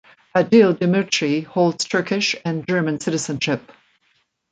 Adil Demirci holds Turkish and German citizenship.